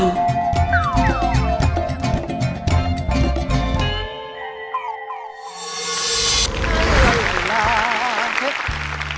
หน้าไม่ได้เข้าอยู่ถึงแล้ว